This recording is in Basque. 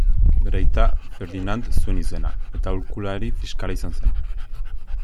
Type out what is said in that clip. Bere aita Ferdinand zuen izena eta aholkulari fiskala izan zen.